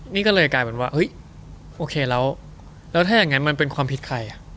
นี่ก็เลยกลายเป็นว่าเฮ้ยโอเคแล้วแล้วถ้าอย่างนั้นมันเป็นความผิดใครอ่ะ